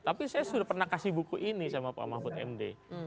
tapi saya sudah pernah kasih buku ini sama pak mahfud md